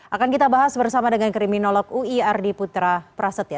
akan kita bahas bersama dengan kriminolog ui ardi putra prasetya